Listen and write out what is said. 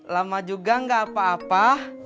lama juga gak apa apa